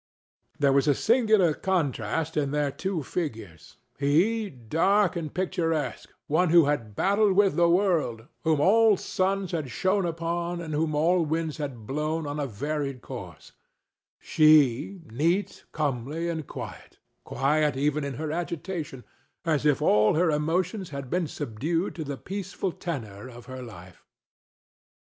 There was a singular contrast in their two figures—he dark and picturesque, one who had battled with the world, whom all suns had shone upon and whom all winds had blown on a varied course; she neat, comely and quiet—quiet even in her agitation—as if all her emotions had been subdued to the peaceful tenor of her life.